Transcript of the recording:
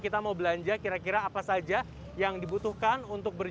kita mau belanja kira kira apa saja yang dibutuhkan untuk berjalan